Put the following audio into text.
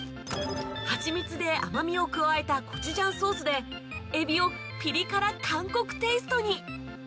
ハチミツで甘みを加えたコチュジャンソースでエビをピリ辛韓国テイストに